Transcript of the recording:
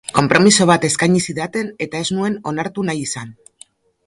Konpromiso bat eskaini zidaten, eta ez nuen onartu nahi izan.